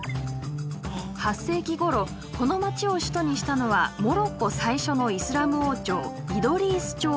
８世紀ごろこの街を首都にしたのはモロッコ最初のイスラム王朝イドリース朝。